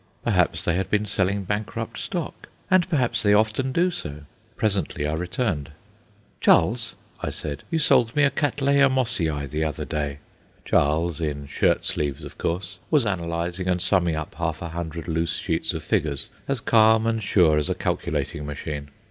Perhaps they had been selling bankrupt stock, and perhaps they often do so. Presently I returned. "Charles!" I said, "you sold me a Cattleya Mossiæ the other day." Charles, in shirt sleeves of course, was analyzing and summing up half a hundred loose sheets of figures, as calm and sure as a calculating machine.